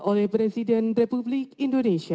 oleh presiden republik indonesia